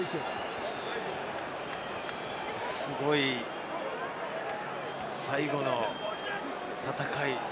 すごい、最後の戦い。